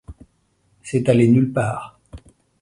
C’est aller nulle part.